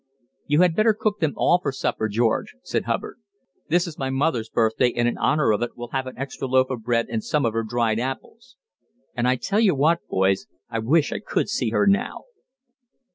"You had better cook them all for supper, George," said Hubbard. "This is my mother's birthday, and in honour of it we'll have an extra loaf of bread and some of her dried apples. And I tell you what, boys, I wish I could see her now."